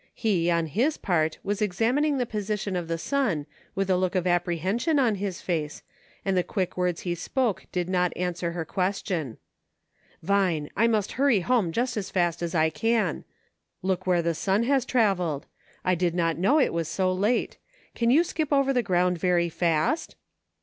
He, on his part, was examining the position of the sun, with a look of apprehension on his face, and the quick words he spoke did not answer her ques. tion : "Vine, I must hurry home just as fast as I can ; l6 "march! I SAID." look where the sun has traveled. I did not know it was so late ; can you skip over the ground very fast